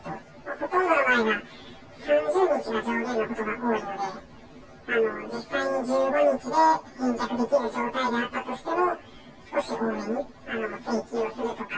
ほとんどの場合が３０日が上限のことが多いので、実際に１５日で返却できる状態であったとしても、少し多めに請求をするとか。